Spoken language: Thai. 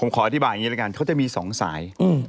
ขออธิบายอย่างนี้ละกันเขาจะมี๒สาย